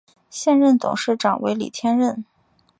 现任董事长为李天任。